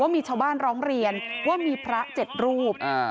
มีชาวบ้านร้องเรียนว่ามีพระเจ็ดรูป